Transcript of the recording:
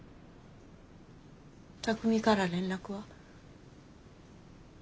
巧海から連絡は？